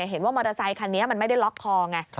มอเตอร์ไซคันนี้มันไม่ได้ล็อกคอไง